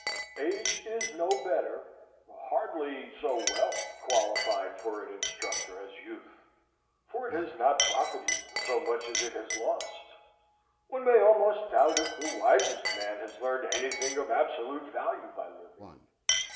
Age is no better, hardly so well, qualified for an instructor as youth, for it has not profited so much as it has lost. One may almost doubt if the wisest man has learned any thing of absolute value by living.